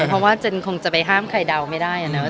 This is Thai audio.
เพราะว่าเจนคงจะไปห้ามใครเดาไม่ได้อะเนาะ